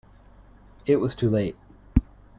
It was too late.